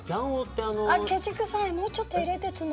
あケチくさいもうちょっと入れてツナ。